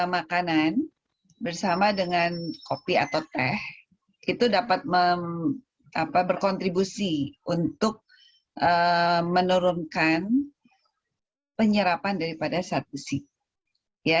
makanan bersama dengan kopi atau teh dapat berkontribusi untuk menurunkan penyerapan daripada zat besi